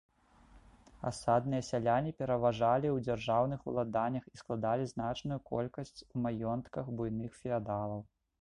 Асадныя сяляне пераважалі ў дзяржаўных уладаннях і складалі значную колькасць у маёнтках буйных феадалаў.